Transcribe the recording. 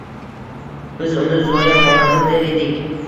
Biz uni Zoya xolamiz, der edik.